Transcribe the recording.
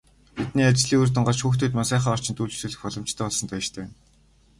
Бидний ажлын үр дүн гарч, хүүхдүүд маань сайхан орчинд үйлчлүүлэх боломжтой болсонд баяртай байна.